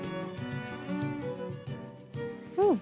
うん。